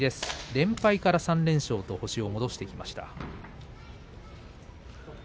連敗から３連勝と星を戻してきました。